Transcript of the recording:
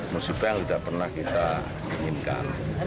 musibah yang tidak pernah kita inginkan